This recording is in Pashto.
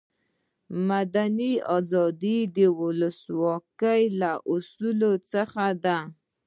مدني آزادي د ولسواکي له اصولو څخه ده.